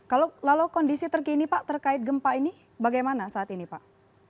kalau lalu kondisi terkini pak terkait gempa ini bagaimana saat ini pak